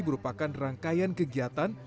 merupakan rangkaian kegiatan